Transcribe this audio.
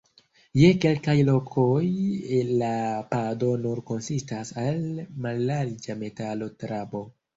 Je kelkaj lokoj la pado nur konsistas el mallarĝa metala trabo.